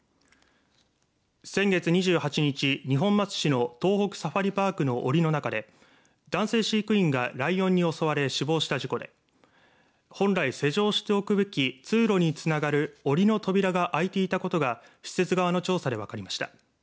先月２８日二本松市の東北サファリパークのおりの中で男性飼育員がライオンに襲われ死亡した事故で本来施錠しておくべき通路につながるおりの扉が開いていたことが施設側の調査で分かりました。